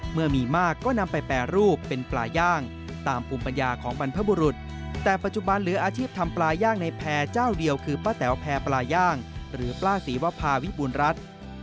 เมื่อมีมากนำไปแปรรูปเป็นปลาย่างตามภูมิปัญญาของบรรพบุรุษ